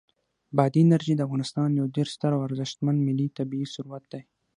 بادي انرژي د افغانستان یو ډېر ستر او ارزښتمن ملي طبعي ثروت دی.